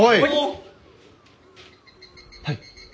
はい。